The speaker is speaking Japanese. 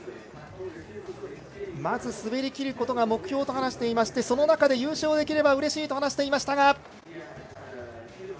まず、滑りきることが目標と話していましてその中で優勝できればうれしいと話していましたが。